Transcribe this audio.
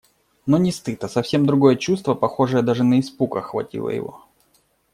Но не стыд, а совсем другое чувство, похожее даже на испуг, охватило его.